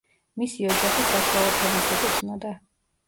მისი ოჯახი საშუალო ფენას ეკუთვნოდა.